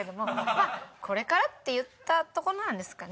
まあこれからっていったところなんですかね。